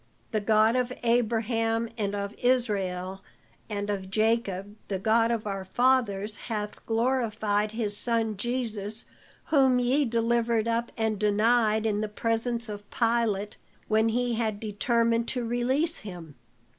The God of Abraham, and of Israel, and of Jacob, the God of our fathers hath glorified his son Jesus, whom ye delivered up and denied in the presence of Pilate when he had determined to release him.